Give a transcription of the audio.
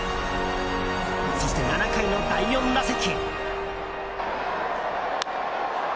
そして７回の第４打席。